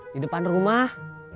di depan rumah